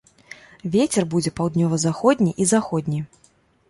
Вецер будзе паўднёва-заходні і заходні.